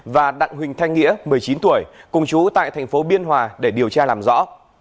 và đặng huỳnh thanh nghĩa một mươi chín tuổi cùng chú tại thành phố biên hòa để điều tra làm rõ